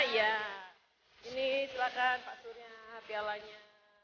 ini silahkan pak surya pialanya